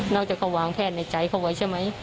อกจากเขาวางแพทย์ในใจเขาไว้ใช่ไหม